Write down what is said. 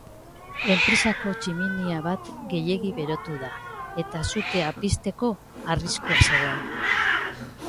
Enpresako tximinia bat gehiegi berotu da, eta sutea pizteko arriskua zegoen.